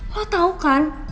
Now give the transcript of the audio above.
lo tau kan